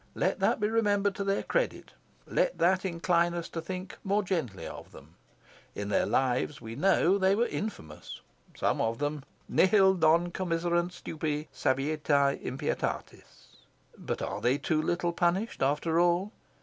Let that be remembered to their credit. Let that incline us to think more gently of them. In their lives we know, they were infamous, some of them "nihil non commiserunt stupri, saevitiae, impietatis." But are they too little punished, after all?